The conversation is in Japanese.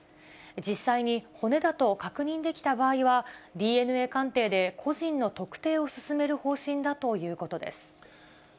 実際に骨だと確認できた場合は、ＤＮＡ鑑定で個人の特定を進める方針だということです。